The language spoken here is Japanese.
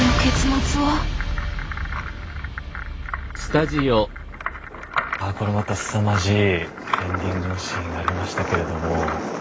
まあこれまたすさまじいエンディングのシーンありましたけれども。